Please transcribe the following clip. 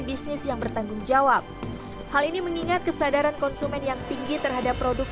bisnis yang bertanggung jawab hal ini mengingat kesadaran konsumen yang tinggi terhadap produk